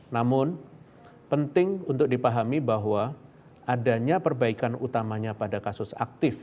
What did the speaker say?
namun penting untuk dipahami bahwa adanya perbaikan utamanya pada kasus aktif